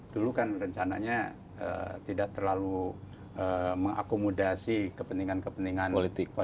dulu kan rencananya tidak terlalu mengakomodasi kepentingan kepentingan politik